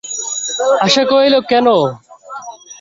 আশা কহিল, কেন।